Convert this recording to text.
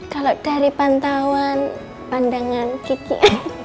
kalau dari pantauan pandangan kiki